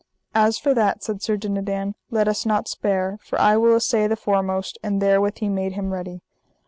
As for that, said Sir Dinadan, let us not spare, for I will assay the foremost; and therewith he made him ready.